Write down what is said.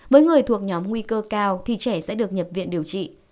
với người thuộc nhóm nguy cơ cao thì trẻ sẽ được nhập viện điều trị